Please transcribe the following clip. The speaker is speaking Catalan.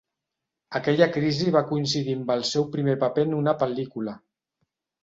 Aquella crisi va coincidir amb el seu primer paper en una pel·lícula.